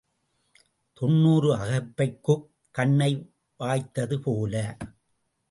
தொன்னூறு அகப்பைக்குக் கணை வாய்த்தது போல.